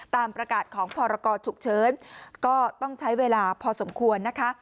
ตามประกาศของพรกรฉุกเฉินก็ต้องใช้เวลาพอสมควรนะคะ